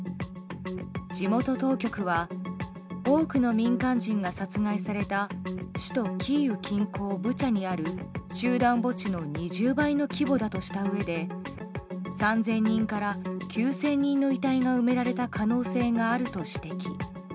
地元当局は多くの民間人が殺害された首都キーウ近郊ブチャにある集団墓地の２０倍の規模だとしたうえで３０００人から９０００人の遺体が埋められた可能性があると指摘。